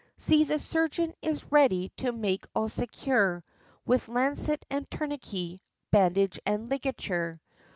See the surgeon is ready to make all secure With lancet and tourniquet, bandage and ligature!'